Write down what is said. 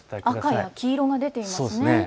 赤や黄色が出ていますね。